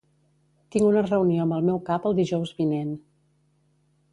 Tinc una reunió amb el meu cap el dijous vinent.